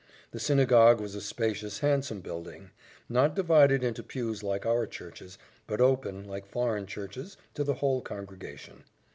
The synagogue was a spacious, handsome building; not divided into pews like our churches, but open, like foreign churches, to the whole congregation.